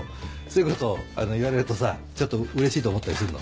そういうこと言われるとさちょっとうれしいと思ったりすんの？